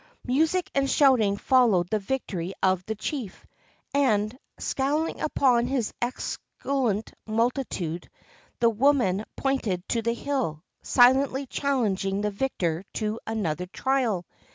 Music and shouting followed the victory of the chief, and, scowling upon the exultant multitude, the wo man pointed to the hill, silently challenging the victor to another trial.